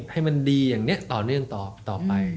ให้มันดีอย่างนี้ต่อเนื่องต่อไป